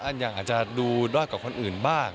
อาจจะดูรอดกับคนอื่นบ้าง